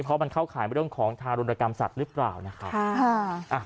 เพราะมันเข้าขายเรื่องของทารุณกรรมสัตว์หรือเปล่านะครับ